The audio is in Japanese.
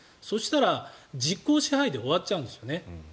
そしたら実効支配で終わっちゃうんですよね。